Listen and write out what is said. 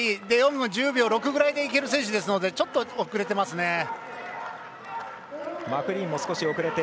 デヨング１０秒６ぐらいでいける選手ですのでちょっと遅れてますね。